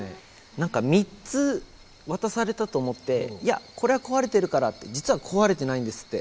何か３つ渡されたと思って「いやこれは壊れてるから」って実は壊れてないんですって。